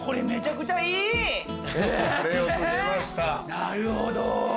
なるほど。